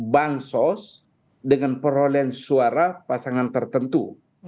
bank sosial dengan perolehan suara pasangan tertentu